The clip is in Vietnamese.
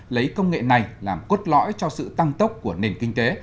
lấy công nghệ này làm cốt lõi cho sự tăng tốc của nền kinh tế